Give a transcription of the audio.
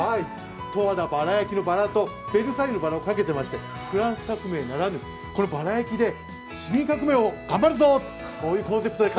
十和田バラ焼きのバラと「ベルサイユのばら」をかけていいましてフランス革命ならぬこのバラ焼きで新革命を頑張るぞーと。